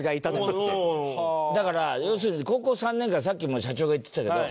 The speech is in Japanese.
だから要するに高校３年間さっきも社長が言ってたけど。